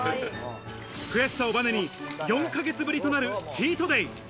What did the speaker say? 悔しさをバネに４ヶ月ぶりとなるチートデイ。